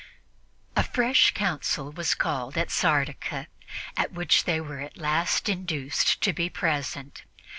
A fresh Council was called at Sardica, at which they were at last induced to be present.